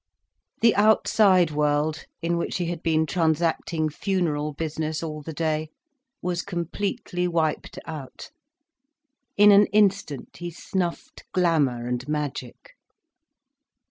The outside world, in which he had been transacting funeral business all the day was completely wiped out. In an instant he snuffed glamour and magic.